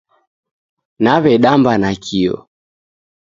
Naw'edamba nakio